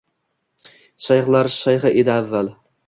Shayxlar shayxi edi avval